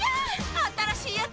新しいやつ！